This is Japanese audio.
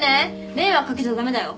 迷惑掛けちゃ駄目だよ。